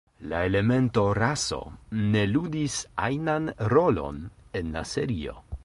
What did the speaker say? La elemento "raso" ne ludis ajnan rolon en la serio.